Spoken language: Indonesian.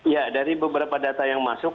ya dari beberapa data yang masuk